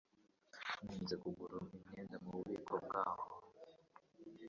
Nkunze kugura imyenda mububiko bwaho.